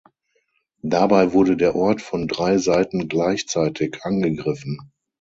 Dabei wurde der Ort von drei Seiten gleichzeitig angegriffen.